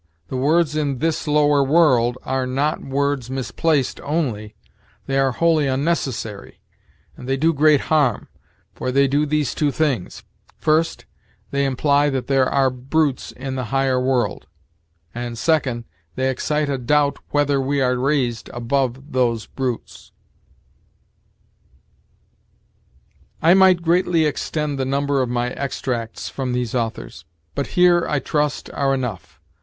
The words in this lower world are not words misplaced only; they are wholly unnecessary, and they do great harm; for they do these two things: first, they imply that there are brutes in the higher world; and, second, they excite a doubt whether we are raised above those brutes. "I might greatly extend the number of my extracts from these authors; but here, I trust, are enough.